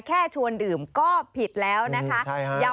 แค่ชวนดื่มก็ผิดแล้วนะคะ